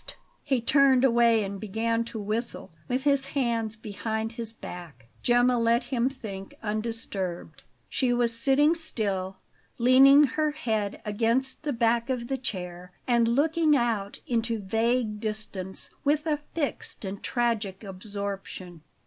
He turned away and began to whistle, with his hands behind his back. Gemma let him think undisturbed. She was sitting still, leaning her head against the back of the chair, and looking out into vague distance with a fixed and tragic absorption.